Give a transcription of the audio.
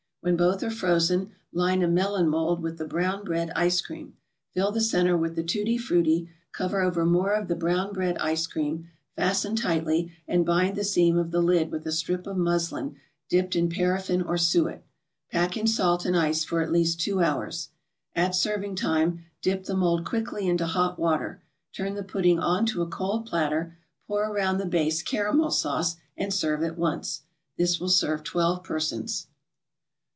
When both are frozen, line a melon mold with the Brown Bread Ice Cream, fill the centre with the Tutti Frutti, cover over more of the Brown Bread Ice Cream, fasten tightly, and bind the seam of the lid with a strip of muslin dipped in paraffin or suet. Pack in salt and ice for at least two hours. At serving time, dip the mold quickly into hot water, turn the pudding on to a cold platter, pour around the base caramel sauce, and serve at once. This will serve twelve persons.